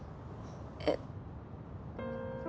えっ。